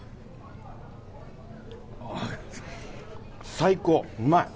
最高、うまい。